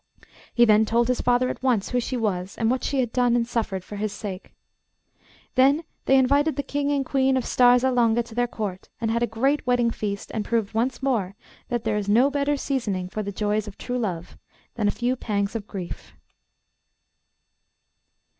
He then told his father at once who she was, and what she had done and suffered for his sake. Then they invited the King and Queen of Starza Longa to their Court, and had a great wedding feast, and proved once more that there is no better seasoning for the joys of true love than a few pangs of grief.